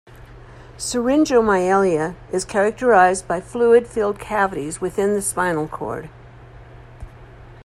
Syringomyelia is characterised by fluid filled cavities within the spinal cord.